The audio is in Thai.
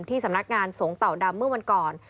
สำนักงานสงเต่าดำเมื่อวันก่อน